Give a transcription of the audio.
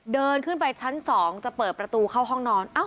เดินขึ้นไปชั้น๒จะเปิดประตูเข้าห้องนอน